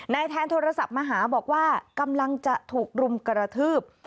แทนโทรศัพท์มาหาบอกว่ากำลังจะถูกรุมกระทืบ